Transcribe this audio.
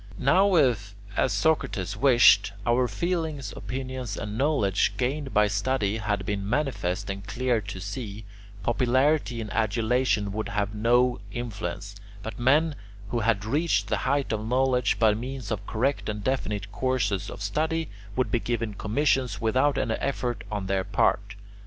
Now if, as Socrates wished, our feelings, opinions, and knowledge gained by study had been manifest and clear to see, popularity and adulation would have no influence, but men who had reached the height of knowledge by means of correct and definite courses of study, would be given commissions without any effort on their part.